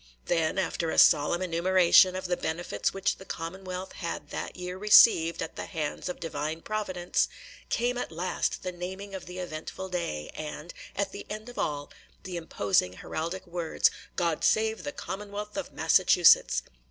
Then, after a solemn enumeration of the benefits which the Commonwealth had that year received at the hands of Divine Providence, came at last the naming of the eventful day, and, at the end of all, the imposing heraldic words, "God save the Commonwealth of Massachusetts."